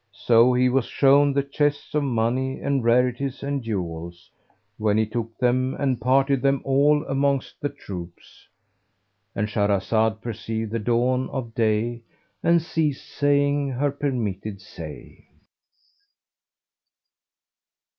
So he was shown the chests of money and rarities and jewels, when he took them and parted them all amongst the troops,—And Shahrazad perceived the dawn of day and ceased saying her permitted say.